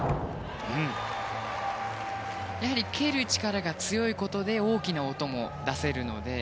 蹴る力が強いことで大きな音も出せるので。